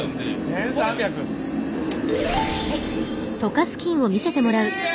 １，３００！え！